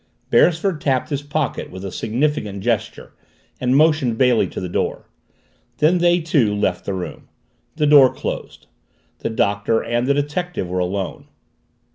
Beresford tapped his pocket with a significant gesture and motioned Bailey to the door. Then they, too, left the room. The door closed. The Doctor and the detective were alone.